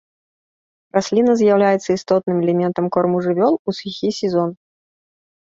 Расліна з'яўляецца істотным элементам корму жывёл у сухі сезон.